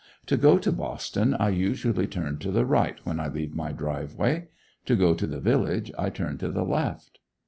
To go to Boston, I usually turn to the right when I leave my driveway; to go to the village, I turn to the left.